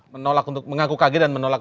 menolak untuk mengaku kaget dan menolak